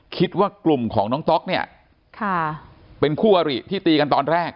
คิดว่ากลุ่มของน้องต๊อกเนี่ยเป็นคู่อริที่ตีกันตอนแรก